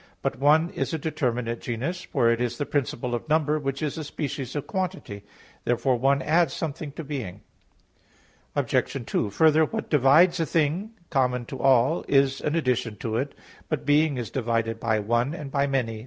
_ But "one" is a determinate genus, for it is the principle of number, which is a species of quantity. Therefore "one" adds something to "being." Obj. 2: Further, what divides a thing common to all, is an addition to it. But "being" is divided by "one" and by "many."